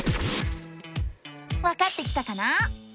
わかってきたかな？